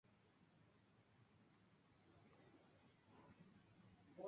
Su "chef-lieu", y prefectura del departamento, es la ciudad de Dijon.